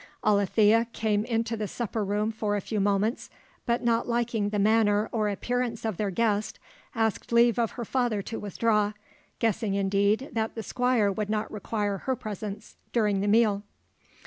Alethea came into the supper room for a few moments, but not liking the manner or appearance of their guest, asked leave of her father to withdraw, guessing indeed that the Squire would not require her presence during the meal.